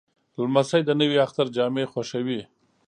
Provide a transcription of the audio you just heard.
لمسی د نوي اختر جامې خوښوي.